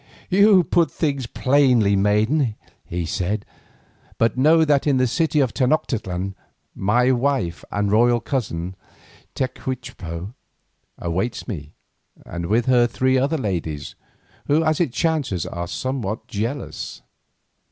"You put things plainly, maiden," he said, "but know that in the city of Tenoctitlan, my wife and royal cousin, Tecuichpo, awaits me, and with her three other ladies, who as it chances are somewhat jealous."